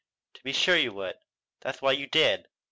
"To be sure you would. That's why you did.